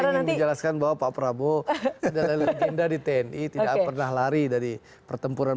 tidak pak saya ingin menjelaskan bahwa pak prabowo sudah lalu benda di tni tidak pernah lari dari pertempuran